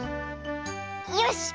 よし！